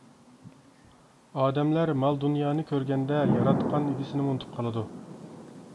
ئادەملەر مال-دۇنيانى كۆرگەندە ياراتقان، ئىگىسىنىمۇ ئۇنتۇپ قالىدۇ.